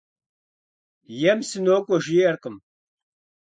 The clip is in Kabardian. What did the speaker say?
Ем «сынокӀуэ» жиӀэркъым.